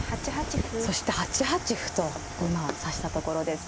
そして８八歩と今指したところです。